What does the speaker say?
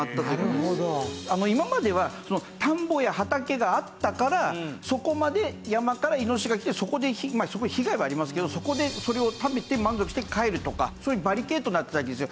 今までは田んぼや畑があったからそこまで山からイノシシが来てそこに被害はありますけどそこでそれを食べて満足して帰るとかそういうバリケードになっていたわけですよ。